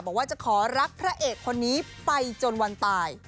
บอกว่าจะขอรักพระเอกคนนี้ไปจนวันตาย